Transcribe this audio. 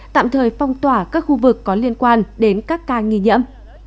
tạm thời phong tỏa các khu vực có liên quan đến các ca nghi nhiễm